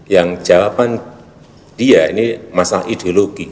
yang jawaban dia ini masalah ideologi